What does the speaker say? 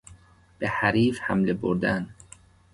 به حریف حمله بردن